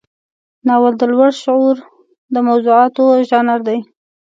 ناول د لوړ شعور د موضوعاتو ژانر دی.